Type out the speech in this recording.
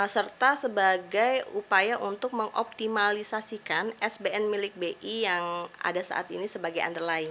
serta sebagai upaya untuk mengoptimalisasikan sbn milik bi yang ada saat ini sebagai underlying